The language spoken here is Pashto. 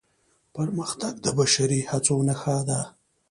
پرمختګ د بشري هڅو نښه ده.